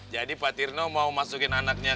jadi pak tirno mau masukin anaknya